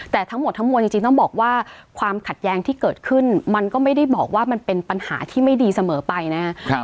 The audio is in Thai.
แต่ทั้งหมดทั้งมวลจริงต้องบอกว่าความขัดแย้งที่เกิดขึ้นมันก็ไม่ได้บอกว่ามันเป็นปัญหาที่ไม่ดีเสมอไปนะครับ